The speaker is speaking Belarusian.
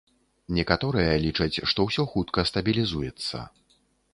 Некаторыя лічаць, што ўсё хутка стабілізуецца.